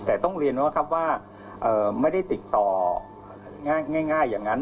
แต่ต้องเรียนว่าครับว่าไม่ได้ติดต่อง่ายอย่างนั้น